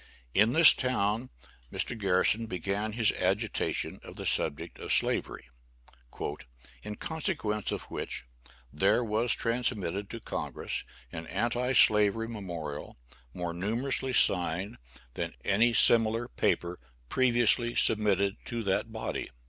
In this town, Mr. Garrison began his agitation of the subject of Slavery, "in consequence of which there was transmitted to Congress an anti slavery memorial, more numerously signed than any similar paper previously submitted to that body."